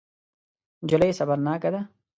نجلۍ صبرناکه ده.